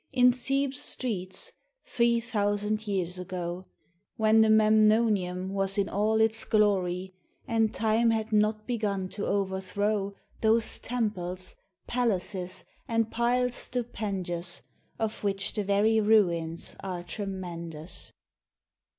In Thebes's streets three thousand years ago, When the Memnonium was in all its glory, And time had not begun to overthrow Those temples, palaces, and piles stupendous, Of which the very ruins are tremendous.